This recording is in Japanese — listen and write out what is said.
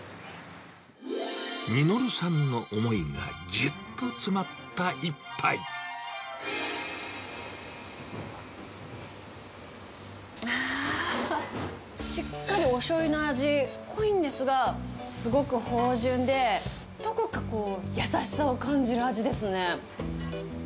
實さんの思いがぎゅっと詰まああ、しっかりおしょうゆの味、濃いんですが、すごく芳じゅんで、どこか優しさを感じる味ですね。